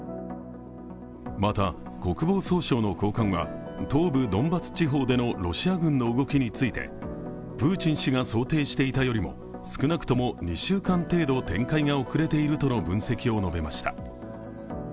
また、国防総省の高官は東部ドンバス地方でのロシア軍の動きについてプーチン氏が想定していたよりも少なくとも２週間程度展開が遅れているとの分析を述べました。